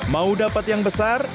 mau dapat yang besar